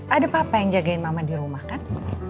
ada papa yang jagain mama dirumah kan